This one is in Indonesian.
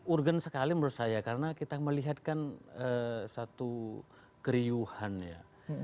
urgent sekali menurut saya karena kita melihatkan satu keriuhan ya